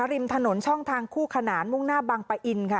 ริมถนนช่องทางคู่ขนานมุ่งหน้าบังปะอินค่ะ